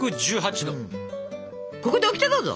ここでオキテどうぞ。